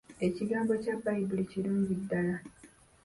Ekigambo kya Baibuli kirungi ddala.